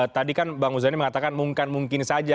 tadi kan bang muzani mengatakan mungkin mungkin saja